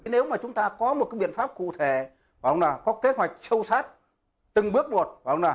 nếu mà chúng ta có một cái biện pháp cụ thể có kế hoạch sâu sát từng bước một